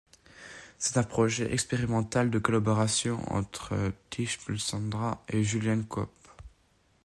C'est un projet expérimental de collaboration entre Thighpaulsandra et Julian Cope.